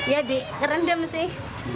ya kerendam sih